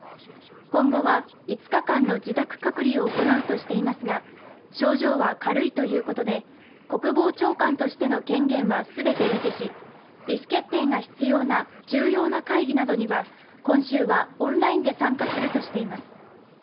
今後は５日間の自宅隔離を行うとしていますが、症状は軽いということで、国防長官としての権限は全て維持し、意思決定が必要な重要な会議などには今週はオンラインで参加するとしています。